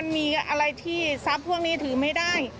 มีอะไรที่ทรัพย์พวกนี้ถือไม่ได้